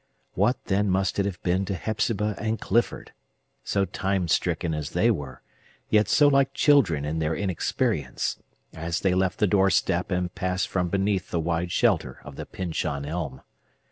What, then, must it have been to Hepzibah and Clifford,—so time stricken as they were, yet so like children in their inexperience,—as they left the doorstep, and passed from beneath the wide shelter of the Pyncheon Elm!